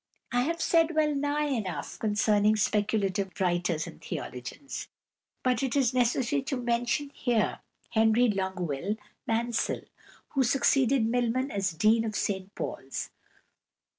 I have said well nigh enough concerning speculative writers and theologians, but it is necessary to mention here =Henry Longueville Mansel (1820 1871)=, who succeeded Milman as Dean of St Paul's.